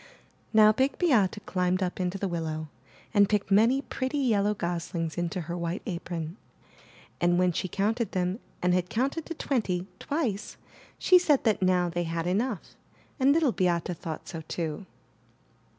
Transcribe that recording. Now Big Beate climbed up into the willow and picked many pretty yellow goslings into her white apron, and when she counted them and had counted to twenty, twice, she said that now they had enough, and Little Beate thought so too.